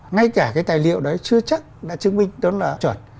ngay cả cái tài liệu đó chưa chắc đã chứng minh nó là chuẩn